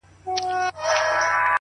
پاگل لگیا دی نن و ټول محل ته رنگ ورکوي؛